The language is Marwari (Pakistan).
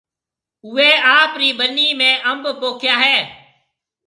اوَي آپرِي ٻنِي ۾ انڀ پوکيا هيَ؟